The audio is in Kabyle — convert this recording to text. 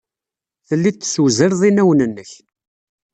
Telliḍ tessewzaleḍ inawen-nnek.